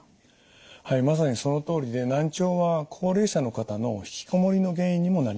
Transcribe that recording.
はいまさにそのとおりで難聴は高齢者の方の引きこもりの原因にもなります。